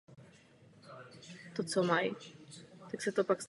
Rodina cestovala s divadelními společnostmi po celé zemi.